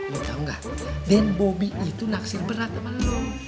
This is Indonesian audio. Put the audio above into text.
lo tahu nggak denbobi itu naksir pernah sama lo